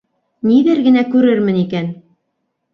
—Ниҙәр генә күрермен икән?